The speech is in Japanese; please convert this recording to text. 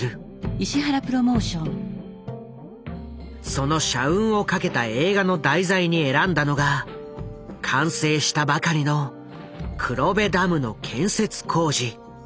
その社運をかけた映画の題材に選んだのが完成したばかりの黒部ダムの建設工事。